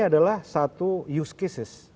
adalah satu use cases